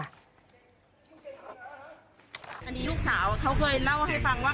อันนี้ลูกสาวเขาเคยเล่าให้ฟังว่า